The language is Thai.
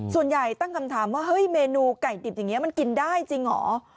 ส่วนใหญ่ตั้งคำถามว่าเฮ้ยเมนูไก่ดิบอย่างนี้มันกินได้จริงเหรอ